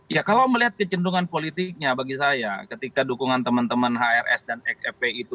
ya kalau melihat kecendungan politiknya bagi saya ketika dukungan teman teman hrs dan xfp itu